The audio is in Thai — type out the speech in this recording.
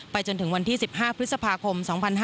จนถึงวันที่๑๕พฤษภาคม๒๕๕๙